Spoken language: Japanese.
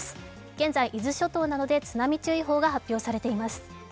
現在伊豆諸島などで、津波注意報が発表されています。